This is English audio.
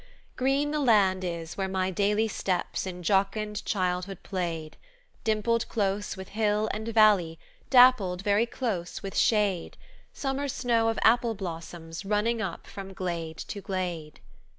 "Green the land is where my daily Steps in jocund childhood played, Dimpled close with hill and valley, Dappled very close with shade; Summer snow of apple blossoms running up from glade to glade.